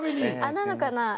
なのかな？